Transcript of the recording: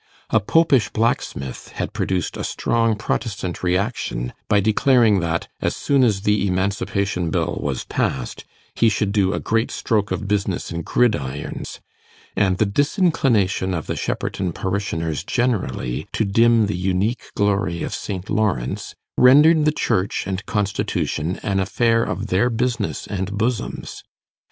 A Popish blacksmith had produced a strong Protestant reaction by declaring that, as soon as the Emancipation Bill was passed, he should do a great stroke of business in gridirons; and the disinclination of the Shepperton parishioners generally to dim the unique glory of St Lawrence, rendered the Church and Constitution an affair of their business and bosoms.